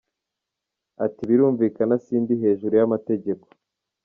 Ati ‘‘Birumvikana si ndi hejuru y’amategeko.